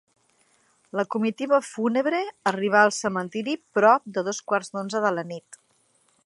La comitiva fúnebre arribà al cementiri prop de dos quarts d'onze de la nit.